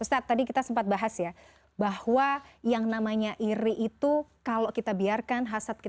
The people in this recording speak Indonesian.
ustadz tadi kita sempat bahas ya bahwa yang namanya iri itu kalau kita biarkan hasad kita